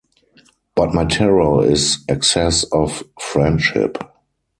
But my terror is excess of friendship.